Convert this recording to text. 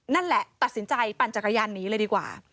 นั่นแหละตัดสินใจปั่นจักรยานหนีเลยดีกว่า